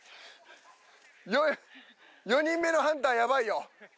４人目のハンターやばいよ。